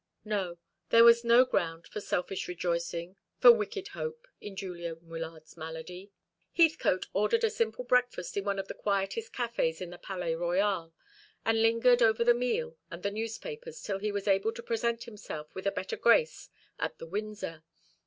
No, there was no ground for selfish rejoicing, for wicked hope, in Julian Wyllard's malady. Heathcote ordered a simple breakfast in one of the quietest cafés in the Palais Royal, and lingered over the meal and the newspapers till he was able to present himself with a better grace at the Windsor.